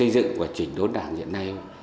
và chỉnh đốn đảng hiện nay